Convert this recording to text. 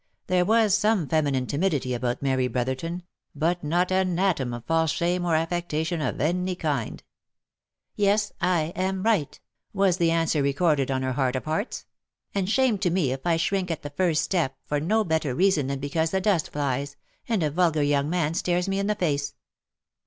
There was some feminine timidity about Mary Brotherton, but not an atom of false shame or affectation of any kind. " Yes !— I am right !" was the answer recorded on her heart of hearts, " and shame to me if I shrink at the first step, for no better reason than because the dust flies, and a vulgar young man stares me in the face."